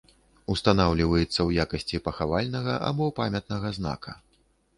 Устанаўліваецца ў якасці пахавальнага або памятнага знака.